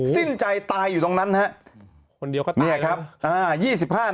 สิ้นใจตายอยู่ตรงนั้นคนเดียวก็ตายแล้ว